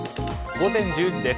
午前１０時です。